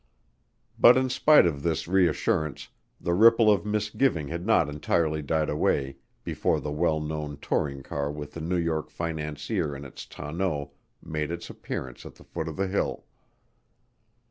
But in spite of this reassurance, the ripple of misgiving had not entirely died away before the well known touring car with the New York financier in its tonneau made its appearance at the foot of the hill.